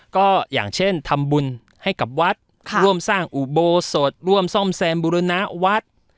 ก็อย่างเช่นทำบุญให้กับวัดร่วมสร้างอุโบสถร่วมซ่อมแซมบุรณวัด